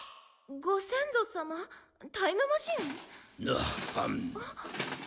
ご先祖様タイムマシン？